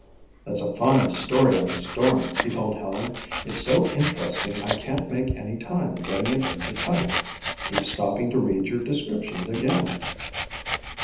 "That's a fine story on the storm," he told Helen. "It's so interesting I can't make any time getting it into type; keep stopping to read your descriptions again."